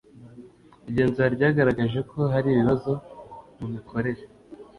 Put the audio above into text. igenzura ryagaragaje ko hari ibibazo mu mikorere